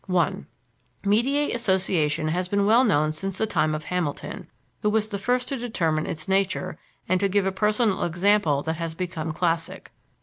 1. Mediate association has been well known since the time of Hamilton, who was the first to determine its nature and to give a personal example that has become classic.